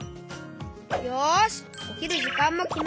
よしおきるじかんもきめた！